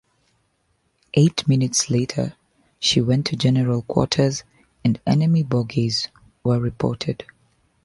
Eight minutes later, she went to general quarters, and enemy bogies were reported.